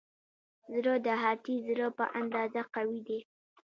زړه د هاتي زړه په اندازه قوي دی.